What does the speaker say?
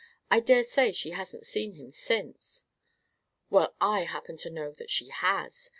I dare say she hasn't seen him since." "Well, I happen to know that she has.